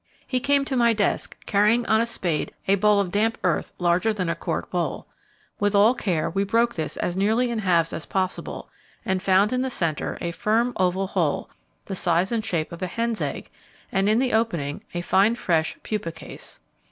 He came to my desk, carrying on a spade a ball of damp earth larger than a quart bowl. With all care we broke this as nearly in halves as possible and found in the centre a firm, oval hole, the size and shape of a hen's egg, and in the opening a fine fresh pupa case.